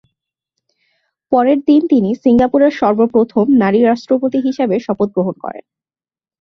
পরের দিন তিনি সিঙ্গাপুরের সর্বপ্রথম নারী রাষ্ট্রপতি হিসেবে শপথ গ্রহণ করেন।